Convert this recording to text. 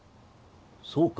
そうか？